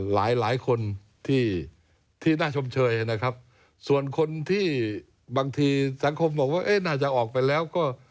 หลายคนที่ที่น่าชมเชยนะครับส่วนคนที่บางทีสังคมบอกว่าเอ๊ะน่าจะออกไปแล้วก็